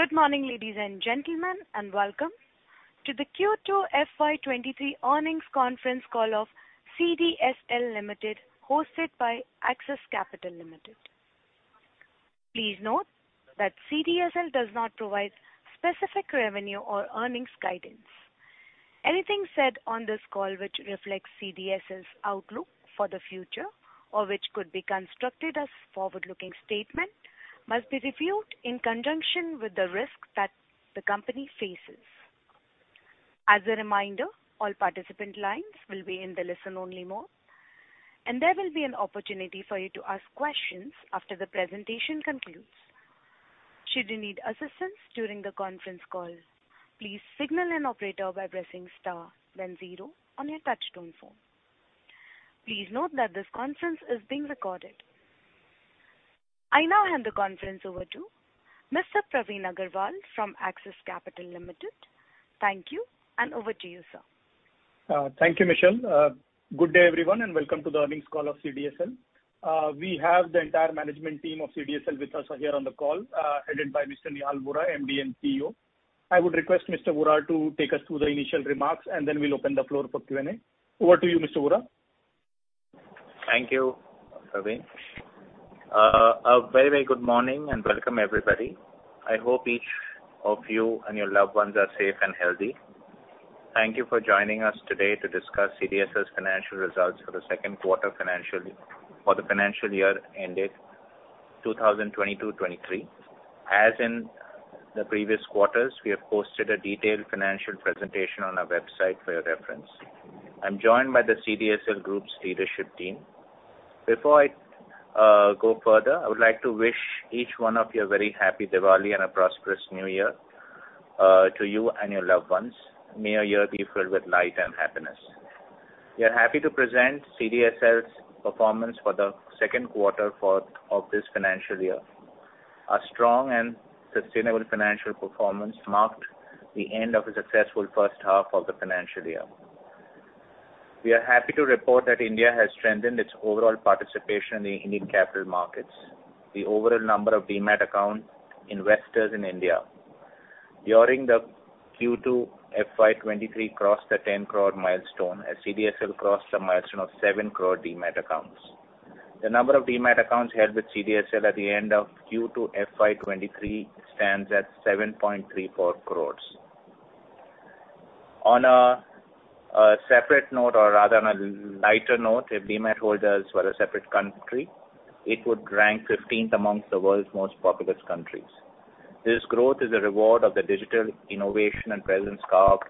Good morning, ladies and gentlemen, and welcome to the Q2 FY 2023 Earnings Conference Call of CDSL Limited, hosted by Axis Capital Limited. Please note that CDSL does not provide specific revenue or earnings guidance. Anything said on this call which reflects CDSL's outlook for the future or which could be construed as forward-looking statement must be reviewed in conjunction with the risk that the company faces. As a reminder, all participant lines will be in the listen-only mode, and there will be an opportunity for you to ask questions after the presentation concludes. Should you need assistance during the conference call, please signal an operator by pressing star then zero on your touch-tone phone. Please note that this conference is being recorded. I now hand the conference over to Mr. Praveen Agarwal from Axis Capital Limited. Thank you, and over to you, sir. Thank you, Michelle. Good day, everyone, and welcome to the earnings call of CDSL. We have the entire management team of CDSL with us here on the call, headed by Mr. Nehal Vora, MD and CEO. I would request Mr. Vora to take us through the initial remarks, and then we'll open the floor for Q&A. Over to you, Mr. Vora. Thank you, Praveen. A very good morning, and welcome everybody. I hope each of you and your loved ones are safe and healthy. Thank you for joining us today to discuss CDSL's financial results for the second quarter for the financial year ended 2022-2023. As in the previous quarters, we have posted a detailed financial presentation on our website for your reference. I'm joined by the CDSL group's leadership team. Before I go further, I would like to wish each one of you a very happy Diwali and a prosperous new year to you and your loved ones. May your year be filled with light and happiness. We are happy to present CDSL's performance for the second quarter of this financial year. A strong and sustainable financial performance marked the end of a successful first half of the financial year. We are happy to report that India has strengthened its overall participation in the Indian capital markets. The overall number of Demat account investors in India during the Q2 FY 2023 crossed the 10 crore milestone as CDSL crossed the milestone of 7 crore Demat accounts. The number of Demat accounts held with CDSL at the end of Q2 FY 2023 stands at 7.34 crores. On a separate note, or rather on a lighter note, if Demat holders were a separate country, it would rank 15th amongst the world's most populous countries. This growth is a reward of the digital innovation and presence carved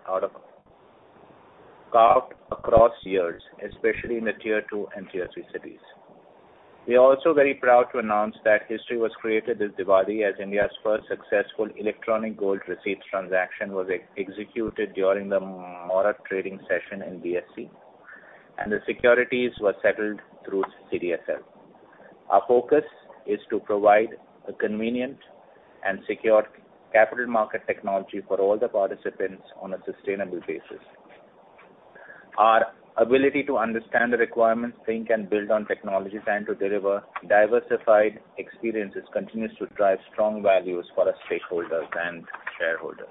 across years, especially in the tier 2 and tier 3 cities. We are also very proud to announce that history was created this Diwali as India's first successful electronic gold receipts transaction was executed during the Muhurat trading session in BSE, and the securities were settled through CDSL. Our focus is to provide a convenient and secure capital market technology for all the participants on a sustainable basis. Our ability to understand the requirements, think and build on technologies, and to deliver diversified experiences continues to drive strong values for our stakeholders and shareholders.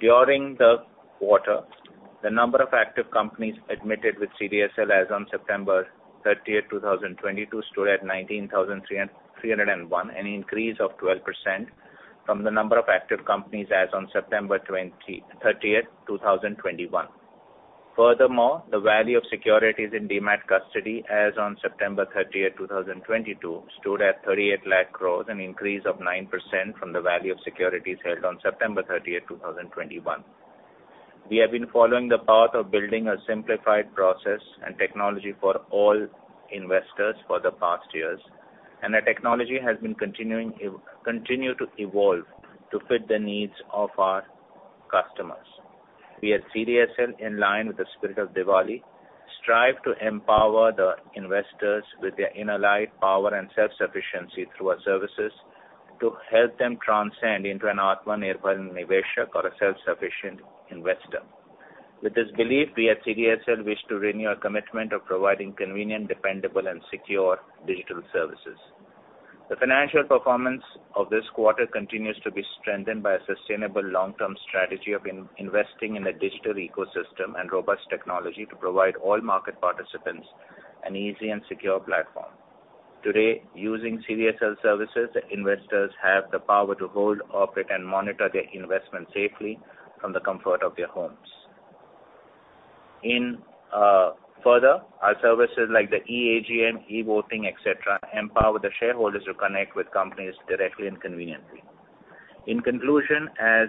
During the quarter, the number of active companies admitted with CDSL as on September 30th, 2022 stood at 19,301, an increase of 12% from the number of active companies as on September 30th, 2021. Furthermore, the value of securities in Demat custody as on September 30th, 2022 stood at 38 lakh crores, an increase of 9% from the value of securities held on September 30th, 2021. We have been following the path of building a simplified process and technology for all investors for the past years, and our technology has continued to evolve to fit the needs of our customers. We at CDSL, in line with the spirit of Diwali, strive to empower the investors with their inner light, power and self-sufficiency through our services to help them transcend into an Atmanirbhar Niveshak or a self-sufficient investor. With this belief, we at CDSL wish to renew our commitment of providing convenient, dependable, and secure digital services. The financial performance of this quarter continues to be strengthened by a sustainable long-term strategy of reinvesting in a digital ecosystem and robust technology to provide all market participants an easy and secure platform. Today, using CDSL services, investors have the power to hold, operate, and monitor their investment safely from the comfort of their homes. Further, our services like the eAGM, eVoting, et cetera, empower the shareholders to connect with companies directly and conveniently. In conclusion, as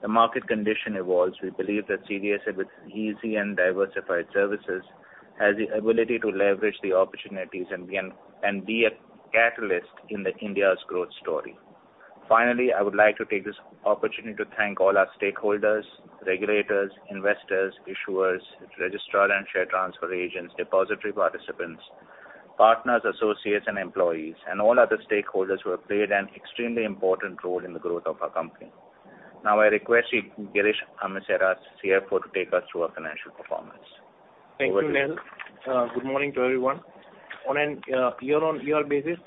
the market condition evolves, we believe that CDSL with its easy and diversified services has the ability to leverage the opportunities and be a catalyst in India's growth story. Finally, I would like to take this opportunity to thank all our stakeholders, regulators, investors, issuers, registrar and share transfer agents, depository participants, partners, associates and employees, and all other stakeholders who have played an extremely important role in the growth of our company. Now, I request Mr. Girish Amesara, CFO, to take us through our financial performance. Thank you, Nehal. Good morning to everyone. On a year-on-year basis,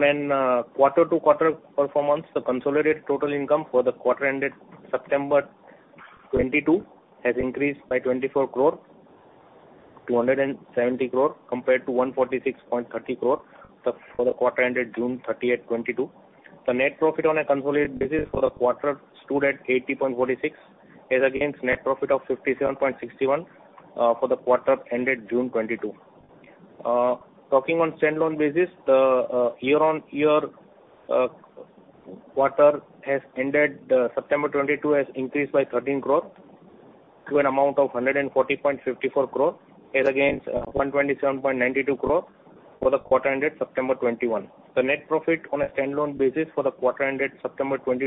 the consolidated total income for the quarter ended September 30th, 2022 has increased by 5 crore to an amount of 170 crore compared to 165 crore for the quarter ended September 2021. The net profit on a consolidated basis for the quarter stood at 80.46 crore as against net profit of 86.06 crore for the quarter ended September 2021. On a quarter-to-quarter performance, the consolidated total income for the quarter ended September 2022 has increased by 24 crore-170 crore, compared to 146.30 crore for the quarter ended June 30th, 2022. The net profit on a consolidated basis for the quarter stood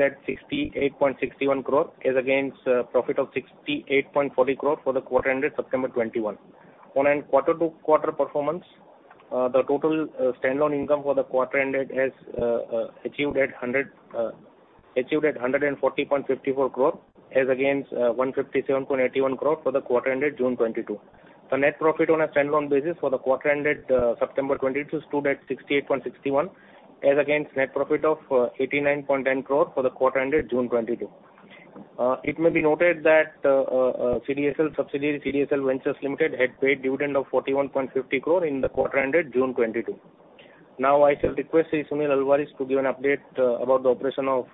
at 80.46 as against net profit of 57.61 for the quarter ended June 2022. On stand-alone basis, the year-on-year quarter ended September 2022 has increased by 13 crore to an amount of 140.54 crore, as against 127.92 crore for the quarter ended September 2021. The net profit on a stand-alone basis for the quarter ended September 2022 is at 68.61 crore, as against profit of 68.40 crore for the quarter ended September 2021. On a quarter-to-quarter performance, the total standalone income for the quarter ended has achieved at 140.54 crore as against 157.81 crore for the quarter ended June 2022. The net profit on a standalone basis for the quarter ended September 2022 stood at 68.61 crore, as against net profit of 89.10 crore for the quarter ended June 2022. It may be noted that CDSL subsidiary, CDSL Ventures Limited, had paid dividend of 41.50 crore in the quarter ended June 2022. Now I shall request Sunil Alvares to give an update about the operation of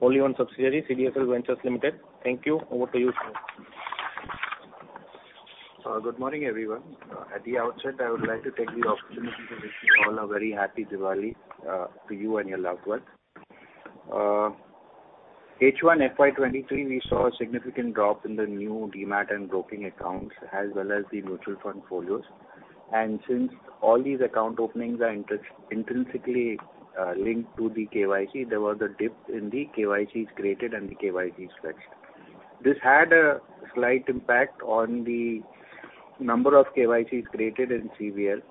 wholly owned subsidiary, CDSL Ventures Limited. Thank you. Over to you, sir. Good morning, everyone. At the outset, I would like to take the opportunity to wish you all a very happy Diwali to you and your loved ones. H1 FY 2023, we saw a significant drop in the new Demat and broking accounts as well as the mutual fund folios. Since all these account openings are intrinsically linked to the KYC, there was a dip in the KYCs created and the KYCs fetched. This had a slight impact on the number of KYCs created in CVL.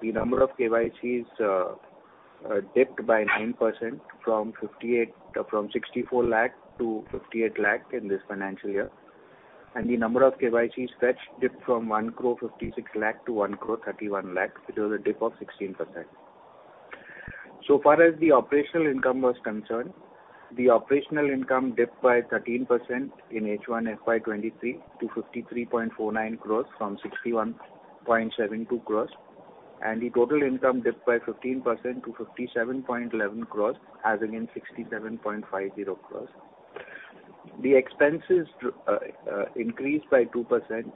The number of KYCs dipped by 9% from 64 lakh-58 lakh in this financial year. The number of KYCs fetched dipped from 1 crore 56 lakh-1 crore 31 lakh, which was a dip of 16%. So far as the operational income was concerned, the operational income dipped by 13% in H1 FY 2023 to 53.49 crores from 61.72 crores. The total income dipped by 15% to 57.11 crores as against 67.50 crores. The expenses increased by 2%,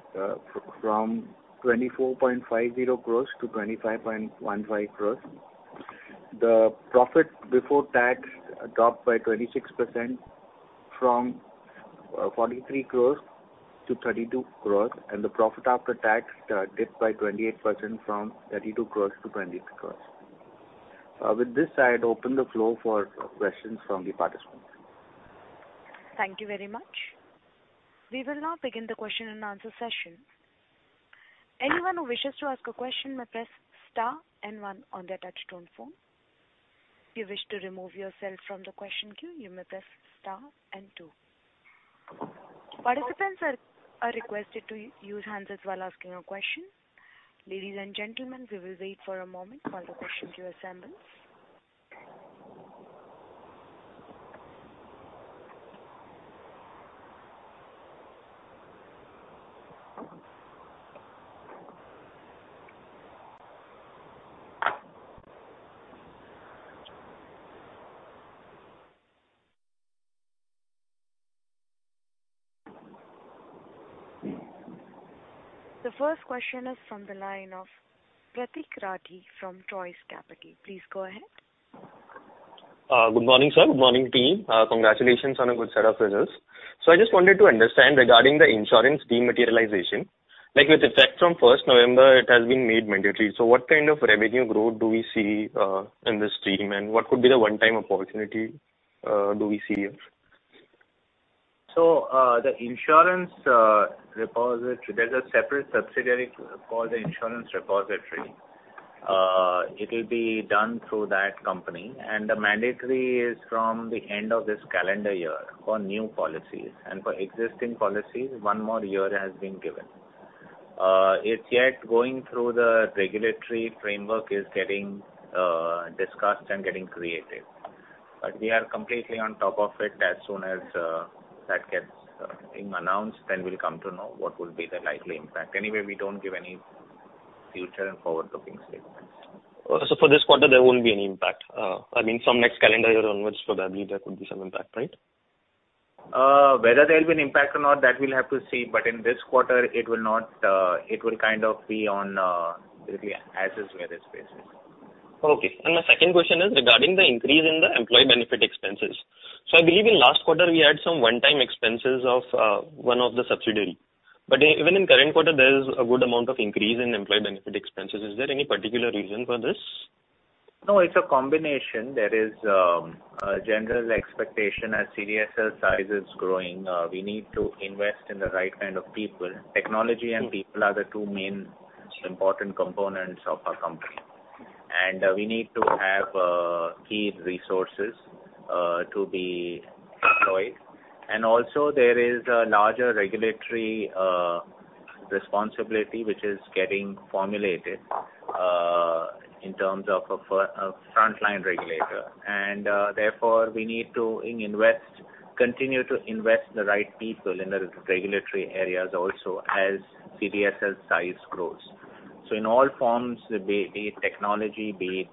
from 24.50 crores-25.15 crores. The profit before tax dropped by 26% from 43 crores-32 crores. The profit after tax dipped by 28% from 32 crores-28 crores. With this, I'd open the floor for questions from the participants. Thank you very much. We will now begin the question-and-answer session. Anyone who wishes to ask a question may press star and one on their touchtone phone. If you wish to remove yourself from the question queue, you may press star and two. Participants are requested to use handsets while asking a question. Ladies and gentlemen, we will wait for a moment while the question queue assembles. The first question is from the line of Pratik Rathi from Troo Capital. Please go ahead. Good morning, sir. Good morning, team. Congratulations on a good set of results. I just wanted to understand regarding the insurance dematerialization, like with effect from first November, it has been made mandatory. What kind of revenue growth do we see in this stream and what could be the one-time opportunity do we see here? The insurance repository. There's a separate subsidiary called the insurance repository. It'll be done through that company, and the mandatory is from the end of this calendar year for new policies and for existing policies, one more year has been given. It's yet going through the regulatory framework. It's getting discussed and getting created. We are completely on top of it. As soon as that gets announced, then we'll come to know what will be the likely impact. Anyway, we don't give any future and forward-looking statements. For this quarter, there won't be any impact. I mean, from next calendar year onwards, probably there could be some impact, right? Whether there'll be an impact or not, that we'll have to see. In this quarter, it'll be as is where is basis. Okay. My second question is regarding the increase in the employee benefit expenses. I believe in last quarter we had some one-time expenses of one of the subsidiary. But even in current quarter, there is a good amount of increase in employee benefit expenses. Is there any particular reason for this? No, it's a combination. There is a general expectation, as CDSL size is growing, we need to invest in the right kind of people. Technology and people are the two main important components of our company. We need to have key resources to be deployed. There is a larger regulatory responsibility which is getting formulated in terms of a frontline regulator. Therefore, we need to continue to invest in the right people in the regulatory areas also as CDSL size grows. In all forms, be it technology, be it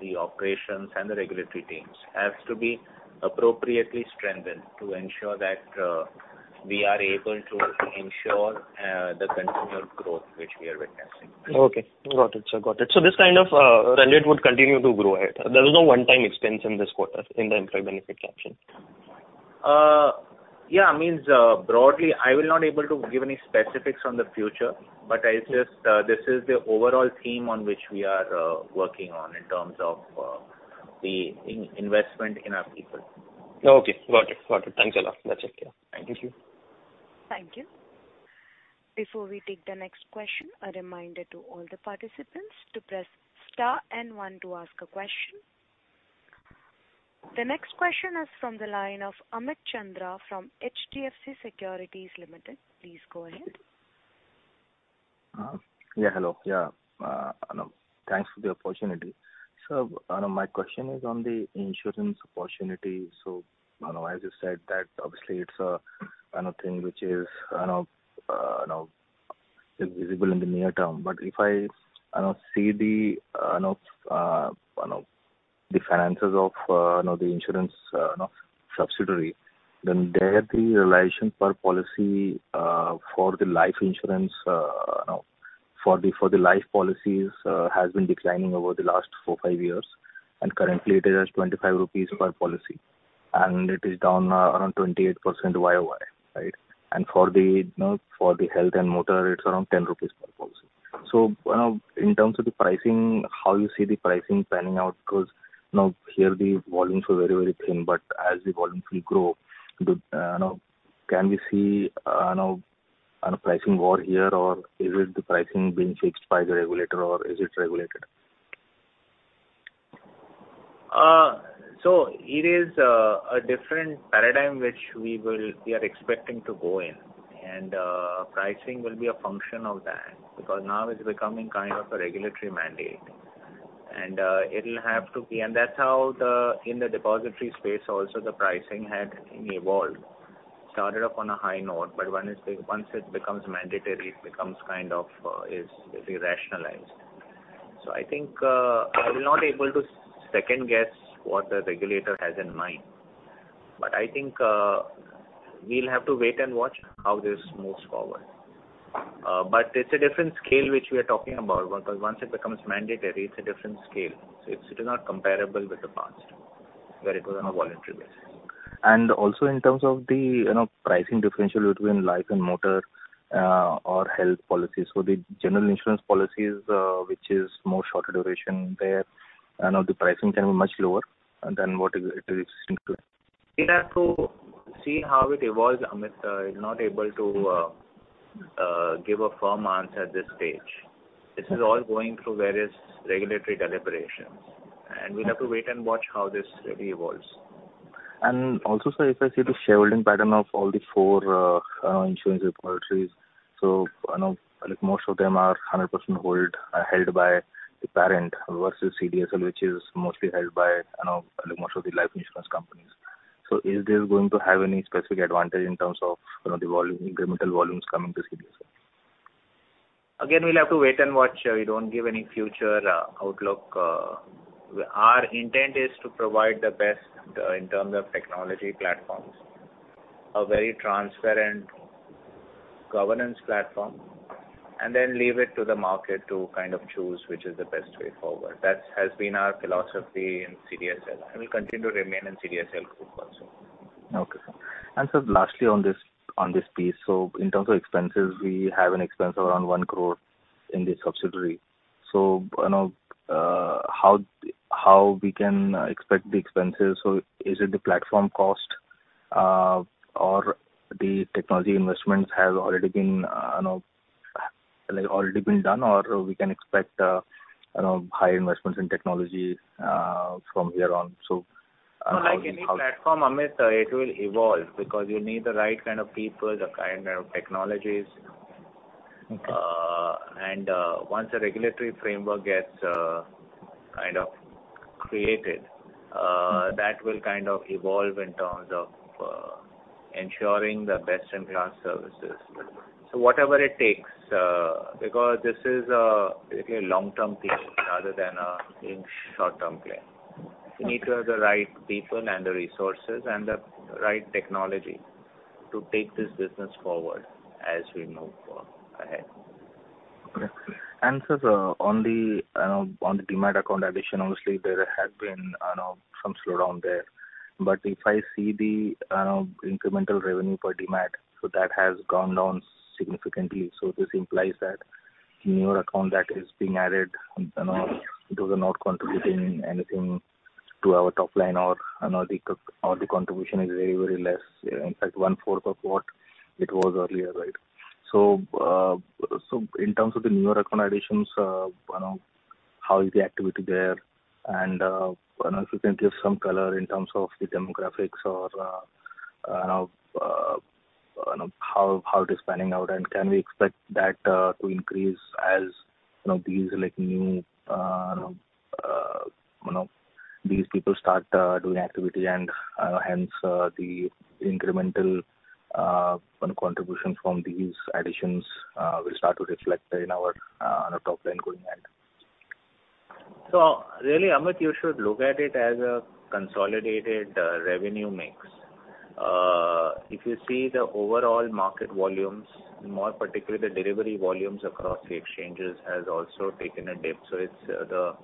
the operations and the regulatory teams, has to be appropriately strengthened to ensure that we are able to ensure the continued growth which we are witnessing. Okay. Got it, sir. This kind of trend it would continue to grow ahead. There was no one-time expense in this quarter in the employee benefit caption. Yeah. I mean, broadly, I will not be able to give any specifics on the future, but this is the overall theme on which we are working on in terms of the investment in our people. Okay. Got it. Thanks a lot. That's it. Yeah. Thank you. Thank you. Before we take the next question, a reminder to all the participants to press star and one to ask a question. The next question is from the line of Amit Chandra from HDFC Securities Limited. Please go ahead. Hello, thanks for the opportunity. My question is on the insurance opportunity. As you said that obviously it's another thing which is you know is visible in the near term. If I see the finances of the insurance subsidiary, then the realization per policy for the life policies has been declining over the last 4-5 years, and currently it is 25 rupees per policy and it is down around 28% YOY, right? For the health and motor, it's around 10 rupees per policy. In terms of the pricing, how you see the pricing panning out? Because, here the volumes are very, very thin, but as the volumes will grow, can we see a pricing war here or is it the pricing being fixed by the regulator or is it regulated? It is a different paradigm which we are expecting to go in and pricing will be a function of that because now it's becoming kind of a regulatory mandate and it'll have to be. That's how in the depository space the pricing had also evolved. It started off on a high note, but once it becomes mandatory it becomes kind of rationalized. I think I will not be able to second-guess what the regulator has in mind, but I think we'll have to wait and watch how this moves forward. It's a different scale which we are talking about because once it becomes mandatory, it's a different scale. It's not comparable with the past where it was on a voluntary basis. Also in terms of the pricing differential between life and motor or health policies, the general insurance policies, which is much shorter duration there, the pricing can be much lower than what it is existing today. We'll have to see how it evolves, Amit. Not able to give a firm answer at this stage. This is all going through various regulatory deliberations and we'll have to wait and watch how this really evolves. Also, sir, if I see the shareholding pattern of all the four insurance repositories, like most of them are 100% held by the parent versus CDSL which is mostly held by most of the life insurance companies. Is this going to have any specific advantage in terms of, you know, the volume, incremental volumes coming to CDSL? Again, we'll have to wait and watch. We don't give any future outlook. Our intent is to provide the best in terms of technology platforms, a very transparent governance platform, and then leave it to the market to kind of choose which is the best way forward. That has been our philosophy in CDSL and will continue to remain in CDSL group also. Okay, sir. Sir, lastly on this piece. In terms of expenses, we have an expense of around 1 crore in this subsidiary, how we can expect the expenses? Is it the platform cost or the technology investments have already been done or we can expect high investments in technology from here on? Like any platform, Amit, it will evolve because you need the right kind of people, the right kind of technologies. Okay. Once the regulatory framework gets kind of created, that will kind of evolve in terms of ensuring the best-in-class services. Whatever it takes, because this is a long-term play rather than a short-term play. You need to have the right people and the resources and the right technology to take this business forward as we move ahead. Okay. On the Demat account addition, obviously there has been, I know, some slowdown there, but if I see the incremental revenue for Demat, so that has gone down significantly. This implies that newer account that is being added, you know, those are not contributing anything to our top line or, you know, the contribution is very, very less. In fact, 1/4 of what it was earlier, right? In terms of the newer account additions, you know, how is the activity there? I don't know if you can give some color in terms of the demographics or, you know, how it is panning out, and can we expect that to increase as, you know, these like new, you know, these people start doing activity and, hence, the incremental contribution from these additions will start to reflect on our top line going ahead. Really, Amit, you should look at it as a consolidated revenue mix. If you see the overall market volumes, more particularly the delivery volumes across the exchanges has also taken a dip. It's the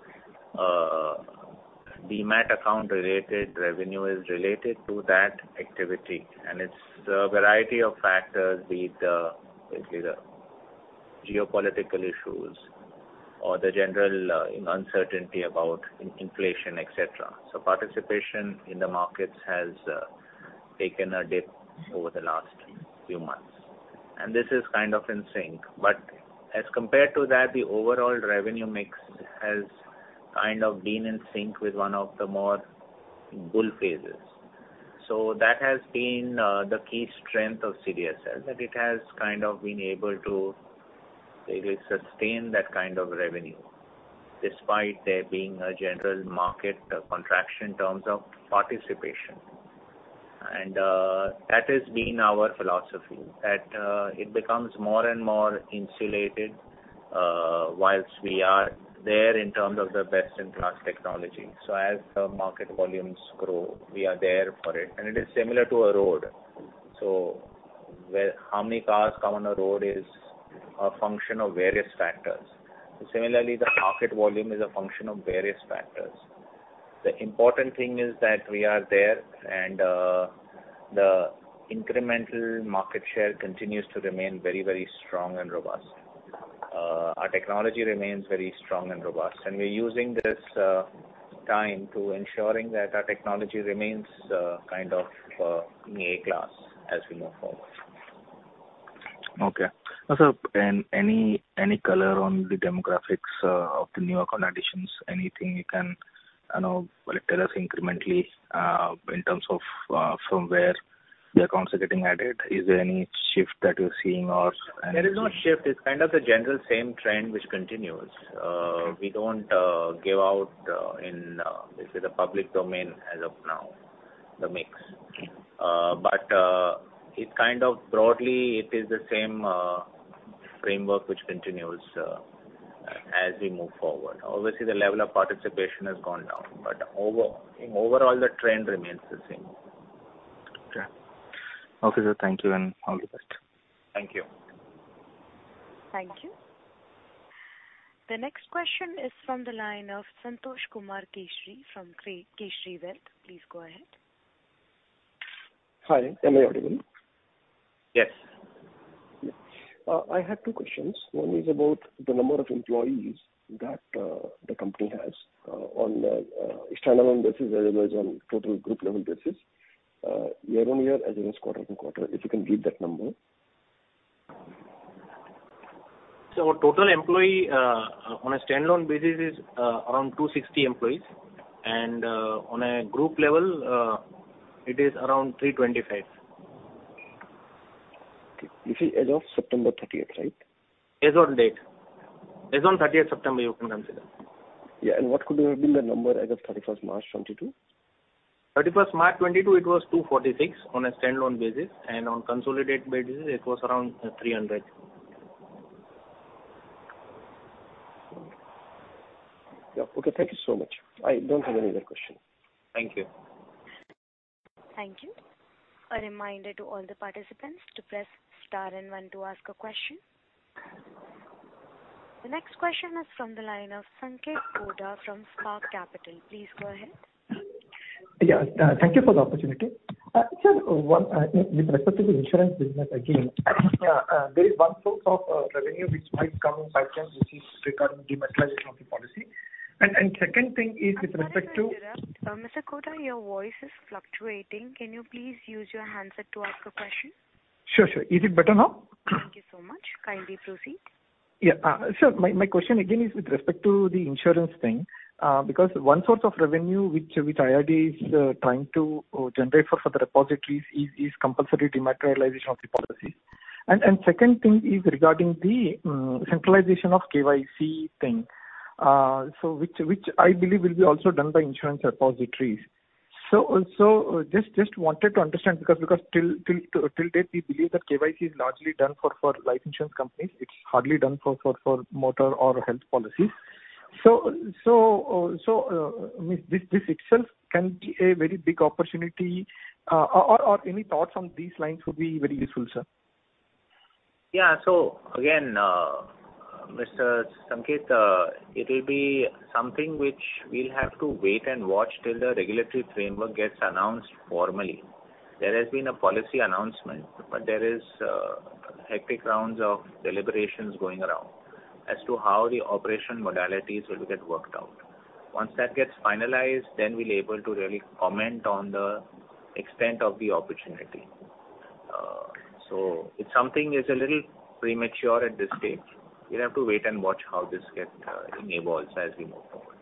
Demat account related revenue is related to that activity and it's a variety of factors, be it let's say the geopolitical issues or the general uncertainty about inflation, et cetera. Participation in the markets has taken a dip over the last few months, and this is kind of in sync. As compared to that, the overall revenue mix has kind of been in sync with one of the more bull phases. That has been the key strength of CDSL, that it has kind of been able to really sustain that kind of revenue despite there being a general market contraction in terms of participation. That has been our philosophy that it becomes more and more insulated while we are there in terms of the best-in-class technology. As the market volumes grow, we are there for it, and it is similar to a road. Where how many cars come on a road is a function of various factors. Similarly, the market volume is a function of various factors. The important thing is that we are there and the incremental market share continues to remain very, very strong and robust. Our technology remains very strong and robust, and we're using this time to ensuring that our technology remains kind of in A class as we move forward. Okay. Also, any color on the demographics of the new account additions? Anything you can, I don't know, tell us incrementally in terms of from where the accounts are getting added. Is there any shift that you're seeing or anything? There is no shift. It's kind of generally the same trend which continues. We don't give out in let's say the public domain as of now, the mix. It kind of broadly is the same framework which continues as we move forward. Obviously the level of participation has gone down, but overall, the trend remains the same. Okay. Okay, sir, thank you and all the best. Thank you. Thank you. The next question is from the line of Santosh Kumar Keshri from Keshri Wealth. Please go ahead. Hi. Can you hear me? Yes. I had two questions. One is about the number of employees that the company has on a standalone basis as well as on total group level basis, year-on-year as well as quarter-on-quarter, if you can give that number. Our total employees on a standalone basis is around 260 employees, and on a group level, it is around 325. Okay. This is as of September 30th, right? As on date. As on 30th September, you can consider. Yeah. What could have been the number as of 31st March 2022? 31st March 2022, it was 246 on a standalone basis, and on consolidated basis it was around 300. Yeah. Okay. Thank you so much. I don't have any other question. Thank you. Thank you. A reminder to all the participants to press star and one to ask a question. The next question is from the line of Sanketh Oda from Spark Capital. Please go ahead. Yeah. Thank you for the opportunity. Sir, one, with respect to the insurance business again, there is one source of revenue which might come in pipeline which is regarding dematerialization of the policy. Second thing is with respect to- I'm sorry to interrupt. Mr. Oda, your voice is fluctuating. Can you please use your handset to ask a question? Sure, sure. Is it better now? Thank you so much. Kindly proceed. Yeah. Sir, my question again is with respect to the insurance thing, because one source of revenue which IRDAI is trying to generate for the repositories is compulsory dematerialization of the policies. Second thing is regarding the centralization of KYC thing, so which I believe will be also done by insurance repositories. Just wanted to understand because till date, we believe that KYC is largely done for life insurance companies. It's hardly done for motor or health policies. This itself can be a very big opportunity, or any thoughts on these lines would be very useful, sir. Yeah. Again, Mr. Sanketh, it will be something which we'll have to wait and watch till the regulatory framework gets announced formally. There has been a policy announcement, but there is hectic rounds of deliberations going around as to how the operation modalities will get worked out. Once that gets finalized, then we're able to really comment on the extent of the opportunity. It's something is a little premature at this stage. We have to wait and watch how this enables as we move forward.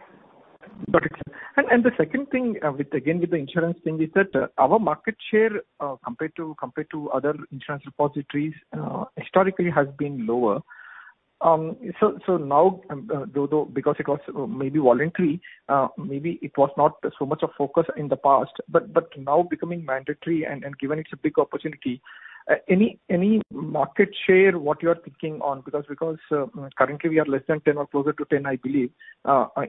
Got it. The second thing with the insurance thing is that our market share compared to other insurance repositories historically has been lower. Now, though because it was maybe voluntary, maybe it was not so much a focus in the past, but now becoming mandatory and given it's a big opportunity, any market share, what you are thinking on? Because currently we are less than 10% or closer to 10%, I believe,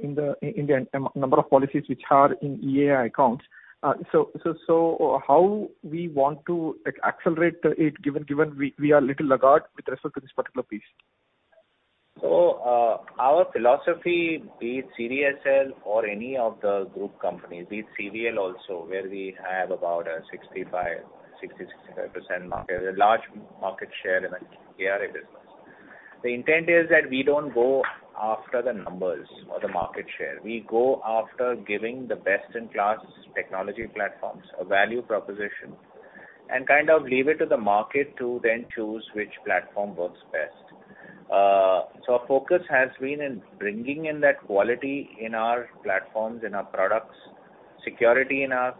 in the number of policies which are in eIA accounts. So how we want to accelerate it given we are little laggard with respect to this particular piece. Our philosophy be it CDSL or any of the group companies, be it CVL also where we have about 65%, a large market share in the KRA business. The intent is that we don't go after the numbers or the market share. We go after giving the best-in-class technology platforms a value proposition and kind of leave it to the market to then choose which platform works best. Our focus has been in bringing in that quality in our platforms, in our products, security in our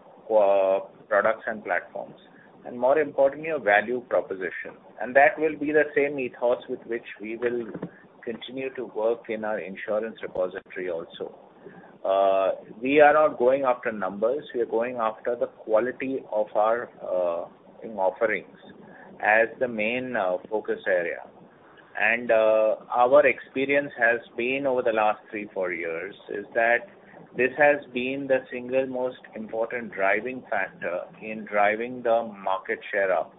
products and platforms, and more importantly, a value proposition. That will be the same ethos with which we will continue to work in our insurance repository also. We are not going after numbers. We are going after the quality of our offerings as the main focus area. Our experience has been over the last 3-4 years is that this has been the single most important driving factor in driving the market share up.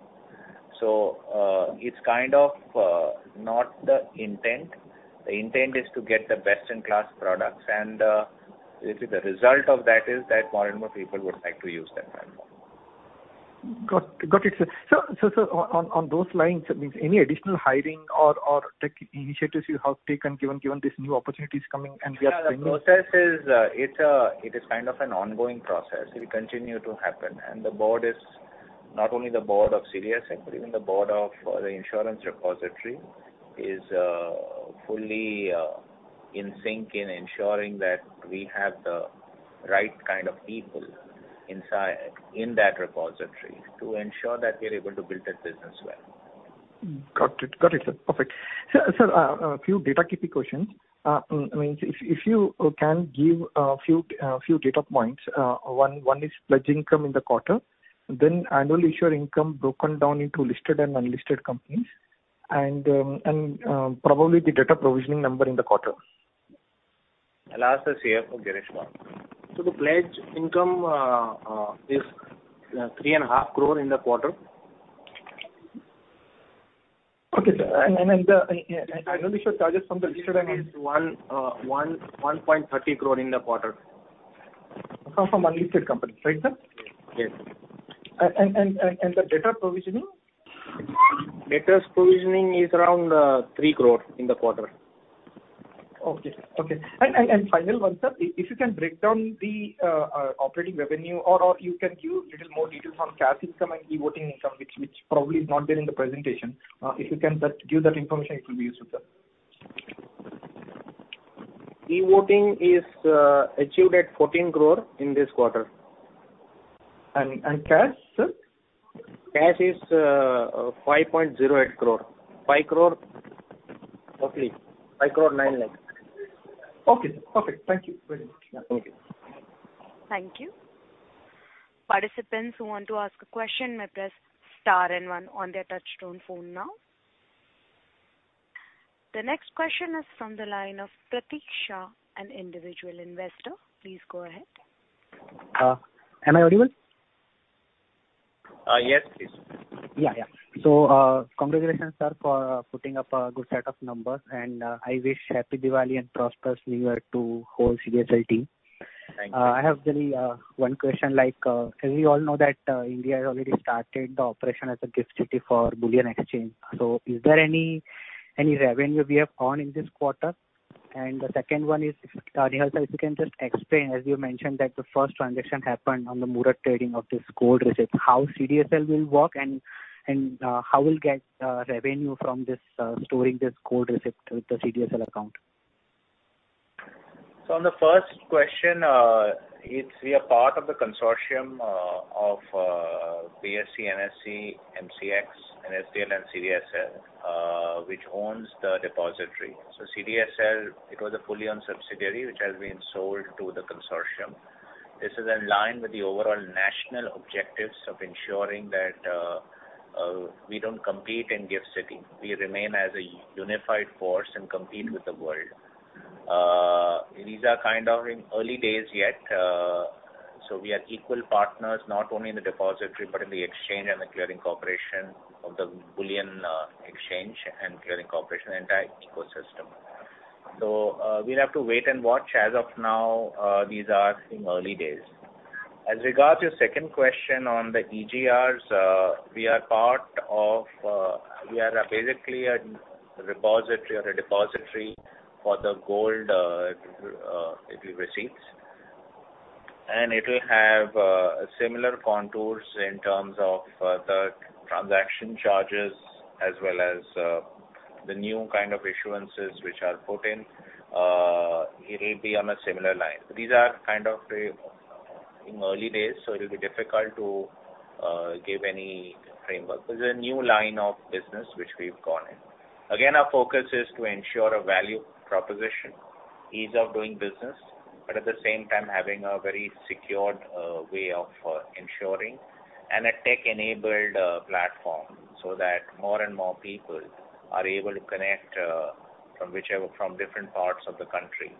It's kind of not the intent. The intent is to get the best-in-class products and you see the result of that is that more and more people would like to use that platform. Got it, sir. On those lines, I mean, any additional hiring or tech initiatives you have taken given these new opportunities coming and we are seeing- Yeah. The process is. It is kind of an ongoing process. It will continue to happen. The board is not only the board of CDSL, but even the board of the insurance repository is fully in sync in ensuring that we have the right kind of people inside, in that repository to ensure that we are able to build that business well. Got it, sir. Perfect. Sir, a few data TP questions. I mean, if you can give a few data points. One is pledge income in the quarter, then annual issuer income broken down into listed and unlisted companies and probably the data provisioning number in the quarter. I'll ask the CFO, Girish, for that. The pledge income is 3.5 crore in the quarter. Okay, sir. The annual issuer charges from the listed and- It's 1.30 crore in the quarter. From unlisted companies, right, sir? Yes. The data provisioning? Data provisioning is around 3 crore in the quarter. Okay. Final one, sir. If you can break down the operating revenue or you can give little more details on cash income and eVoting income, which probably is not there in the presentation. If you can give that information it will be useful, sir. eVoting is achieved at 14 crore in this quarter. Cash, sir? Cash is 5.08 crore. 5 crore? Okay. 5.09 crore. Okay. Thank you very much. Yeah. Thank you. Thank you. Participants who want to ask a question may press star and one on their touchtone phone now. The next question is from the line of Prateeksha, an individual investor. Please go ahead. Am I audible? Yes, please. Yeah. Congratulations, sir, for putting up a good set of numbers. I wish happy Diwali and prosperous new year to whole CDSL team. Thank you. I have really one question like, as we all know that India has already started the operation in GIFT City for bullion exchange. Is there any revenue we have earned in this quarter? The second one is, Nehal if you can just explain, as you mentioned that the first transaction happened on the Muhurat trading of this gold receipt, how CDSL will work and how we'll get revenue from this storing this gold receipt with the CDSL account? On the first question, it's we are part of the consortium of BSE, NSE, MCX, NSDL and CDSL, which owns the depository. CDSL, it was a fully owned subsidiary which has been sold to the consortium. This is in line with the overall national objectives of ensuring that we don't compete in GIFT City. We remain as a unified force and compete with the world. These are kind of in early days yet. We are equal partners, not only in the depository but in the exchange and the clearing corporation of the bullion exchange and clearing corporation, the entire ecosystem. We'll have to wait and watch. As of now, these are in early days. As regards your second question on the EGRs, we are basically a repository or a depository for the gold it will receive. It will have similar contours in terms of the transaction charges as well as the new kind of issuances which are put in. It will be on a similar line. These are kind of in early days, so it'll be difficult to give any framework. This is a new line of business which we've gone in. Again, our focus is to ensure a value proposition, ease of doing business, but at the same time having a very secured way of ensuring and a tech-enabled platform so that more and more people are able to connect from different parts of the country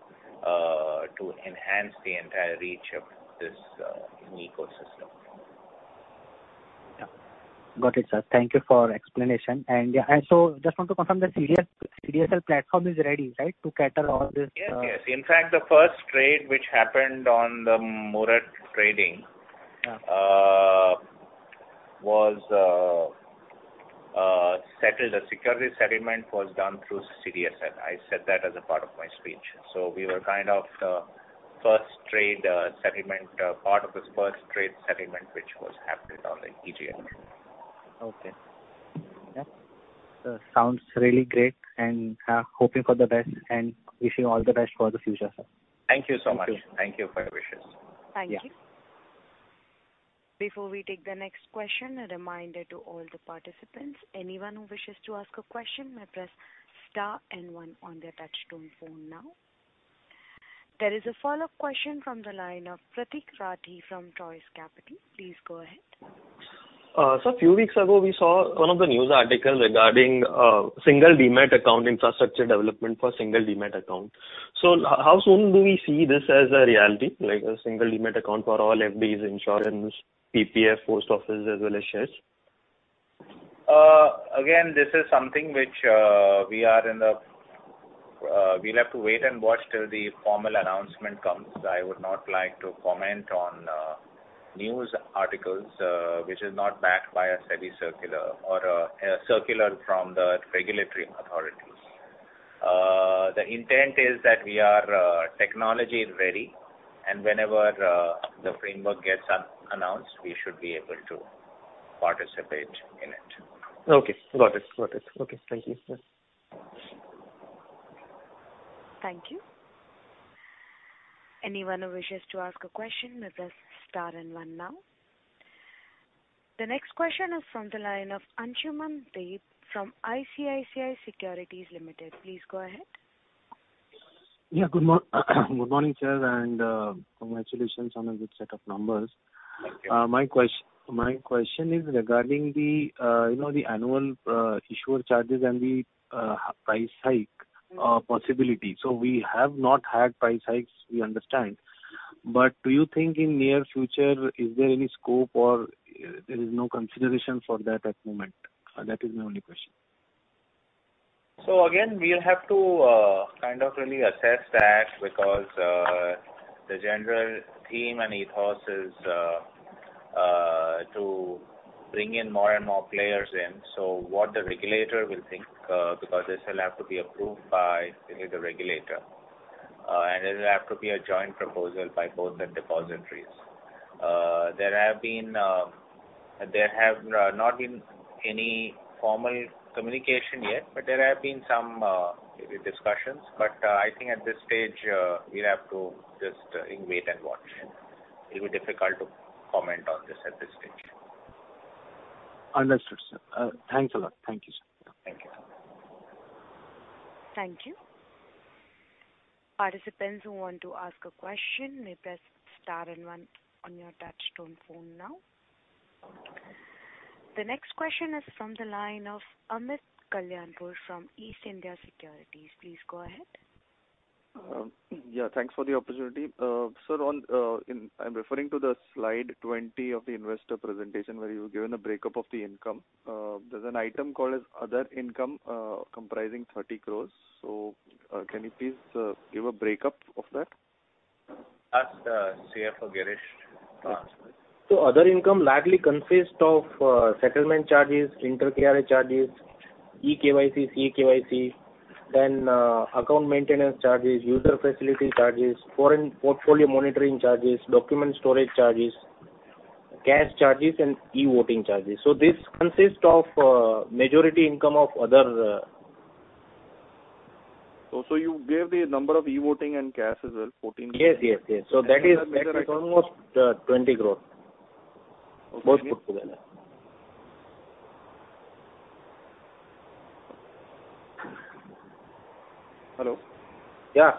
to enhance the entire reach of this ecosystem. Yeah. Got it, sir. Thank you for explanation. Yeah, and so just want to confirm the CDSL platform is ready, right, to cater all this. Yes, yes. In fact, the first trade which happened on the Muhurat trading- Yeah. The securities settlement was done through CDSL. I said that as a part of my speech. We were kind of the first trade settlement part of this first trade settlement, which was happening on the EGR. Okay. Yeah. Sounds really great, and hoping for the best and wishing you all the best for the future, sir. Thank you so much. Thank you. Thank you for your wishes. Yeah. Thank you. Before we take the next question, a reminder to all the participants. Anyone who wishes to ask a question may press star and one on their touch-tone phone now. There is a follow-up question from the line of Pratik Rathi from Troo Capital. Please go ahead. A few weeks ago, we saw one of the news articles regarding single Demat account infrastructure development for single Demat account. How soon do we see this as a reality, like a single Demat account for all FDs, insurance, PPF, post office, as well as shares? Again, this is something which we'll have to wait and watch till the formal announcement comes. I would not like to comment on news articles which is not backed by a SEBI circular or a circular from the regulatory authorities. The intent is that we're technology ready, and whenever the framework gets announced, we should be able to participate in it. Okay. Got it. Okay. Thank you, sir. Thank you. Anyone who wishes to ask a question may press star and one now. The next question is from the line of Ansuman Deb from ICICI Securities Limited. Please go ahead. Yeah. Good morning, sir, and congratulations on a good set of numbers. Thank you. My question is regarding the, you know, the annual issuer charges and the price hike possibility. We have not had price hikes, we understand. Do you think in near future, is there any scope or there is no consideration for that at the moment? That is my only question. Again, we'll have to kind of really assess that because the general theme and ethos is to bring in more and more players in. What the regulator will think because this will have to be approved by the regulator and it'll have to be a joint proposal by both the depositories. There have not been any formal communication yet, but there have been some maybe discussions. I think at this stage we'll have to just wait and watch. It'll be difficult to comment on this at this stage. Understood, sir. Thanks a lot. Thank you, sir. Thank you. Thank you. Participants who want to ask a question may press star and one on your touchtone phone now. The next question is from the line of Ameet Kalyanpur from East India Securities. Please go ahead. Yeah, thanks for the opportunity. Sir, on, I'm referring to the slide 20 of the investor presentation where you've given a breakup of the income. There's an item called as other income, comprising 30 crores. Can you please give a breakup of that? Ask the CFO, Girish, to answer this. Other income largely consist of settlement charges, inter-depository charges, eKYC, CKYC, account maintenance charges, user facility charges, foreign portfolio monitoring charges, document storage charges, cash charges, and e-voting charges. This consists of majority income of other. You gave the number of eVoting and CAS as well, 14- Yes. That is almost 20 crore. Okay. Both put together. Hello? Yeah.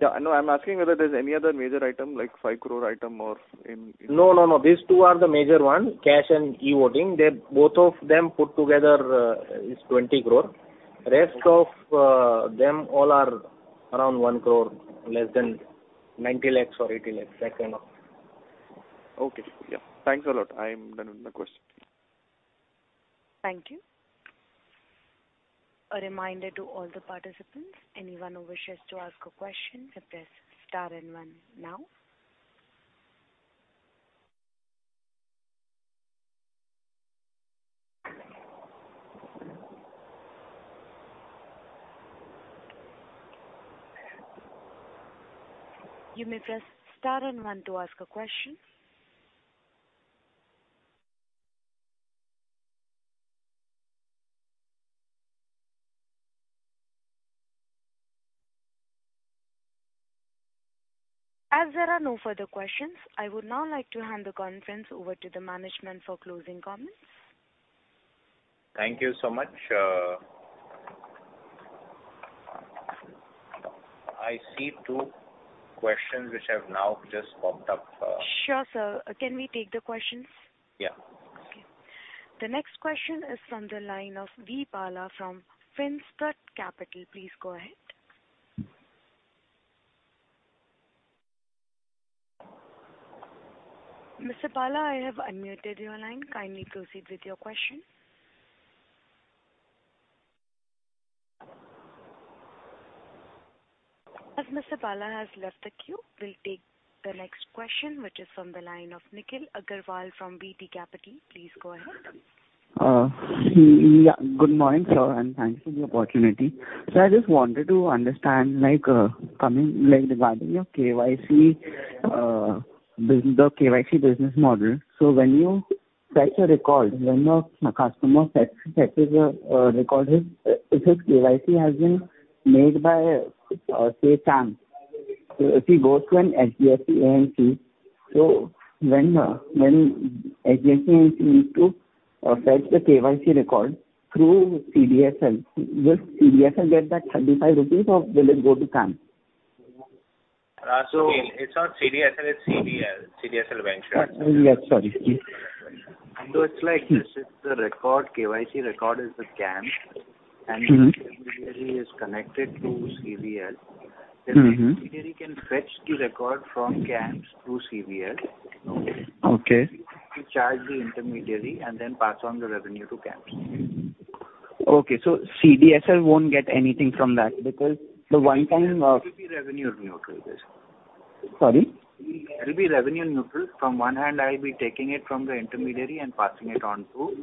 Yeah. No, I'm asking whether there's any other major item like 5 crore item or in. No, no. These two are the major one, cash and eVoting. They both of them put together is 20 crore. Okay. Rest of them all are around 1 crore, less than 90 lakhs or 80 lakhs, that kind of. Okay. Yeah. Thanks a lot. I'm done with my questions. Thank you. A reminder to all the participants, anyone who wishes to ask a question can press star and one now. You may press star and one to ask a question. As there are no further questions, I would now like to hand the conference over to the management for closing comments. Thank you so much. I see two questions which have now just popped up. Sure, sir. Can we take the questions? Yeah. Okay. The next question is from the line of V. Bala from Finscut Capital. Please go ahead. Mr. Bala, I have unmuted your line. Kindly proceed with your question. As Mr. Bala has left the queue, we'll take the next question, which is from the line of Nikhil Agarwal from BT Capital. Please go ahead. Yeah, good morning, sir, and thanks for the opportunity. I just wanted to understand, like, regarding your KYC, the KYC business model. When you fetch a record, when a customer fetches a record, if his KYC has been made by, say, CAMS. If he goes to an HDFC AMC, when HDFC AMC needs to fetch the KYC record through CDSL, will CDSL get that 35 rupees or will it go to CAMS? It's not CDSL, it's CVL. CDSL Ventures. Yeah. Sorry. It's like this is the record. KYC record is with CAMS. Mm-hmm. Intermediary is connected to CVL. Mm-hmm. The intermediary can fetch the record from CAMS through CVL. Okay. We charge the intermediary and then pass on the revenue to CAMS. Okay. CDSL won't get anything from that because the one time, It will be revenue neutral, basically. Sorry? It will be revenue neutral. On the one hand, I'll be taking it from the intermediary and passing it on to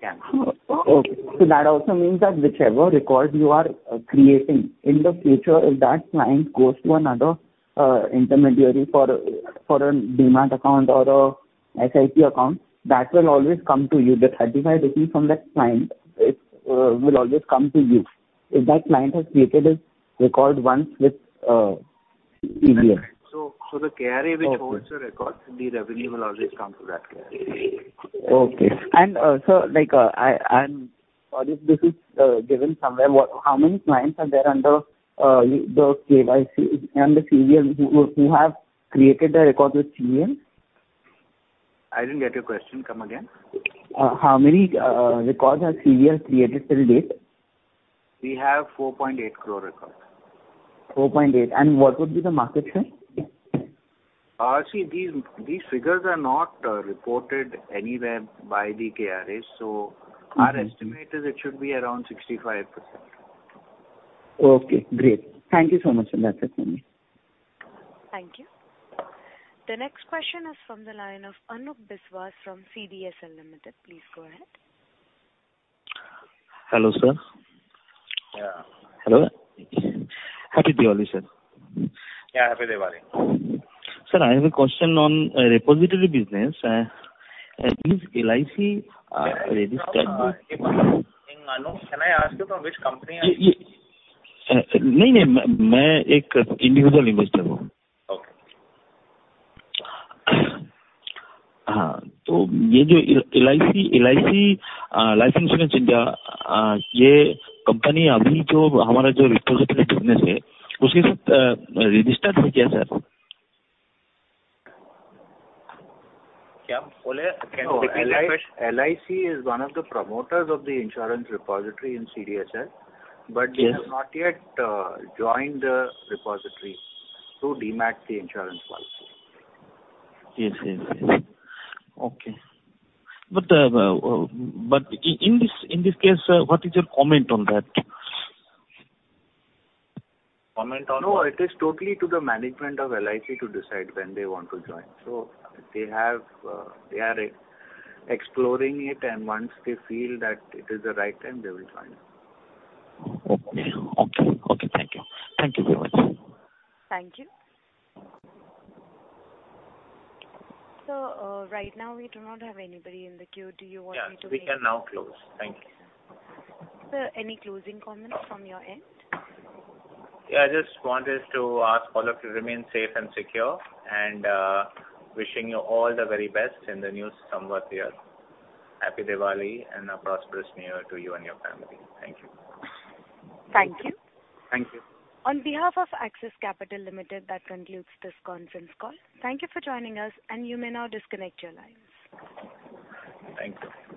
CAMS. Oh, okay. That also means that whichever record you are creating in the future, if that client goes to another intermediary for a Demat account or a SIP account, that will always come to you. The 35 rupees from that client, it will always come to you. If that client has created a record once with CVL. That's right. The KRA which holds the records, the revenue will always come to that KRA. If this is given somewhere, what, how many clients are there under the KYC and the CVL who have created a record with CVL? I didn't get your question. Come again. How many records has CVL created till date? We have 4.8 crore records. 4.8%. What would be the market share? See, these figures are not reported anywhere by the KRAs. Mm-hmm. Our estimate is it should be around 65%. Okay, great. Thank you so much, sir. That's it from me. Thank you. The next question is from the line of Anoop Biswas from CDSL Limited. Please go ahead. Hello, sir. Yeah. Hello. Happy Diwali, sir. Yeah, Happy Diwali. Sir, I have a question on repository business. Is LIC registered with? Anoop, can I ask you from which company are you? Okay. LIC is one of the promoters of the insurance repository in CDSL. Yes. They have not yet joined the repository to Demat the insurance policy. Yes, yes. Okay. In this case, what is your comment on that? Comment on what? No, it is totally to the management of LIC to decide when they want to join. They are exploring it, and once they feel that it is the right time, they will join. Okay, thank you so much. Thank you. Right now we do not have anybody in the queue. Do you want me to? Yes, we can now close. Thank you. Is there any closing comments from your end? Yeah, I just wanted to ask all of you to remain safe and secure, and wishing you all the very best in the new Samvat year. Happy Diwali and a prosperous new year to you and your family. Thank you. Thank you. Thank you. On behalf of Axis Capital Limited, that concludes this conference call. Thank you for joining us, and you may now disconnect your lines. Thank you.